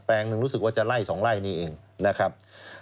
ลงหนึ่งรู้สึกว่าจะไล่๒ไร่นี้เองนะครับ